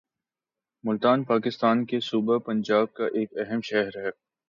ملتان پاکستان کے صوبہ پنجاب کا ایک اہم شہر ہے